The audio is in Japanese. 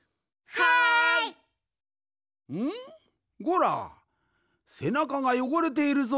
ゴラせなかがよごれているぞ？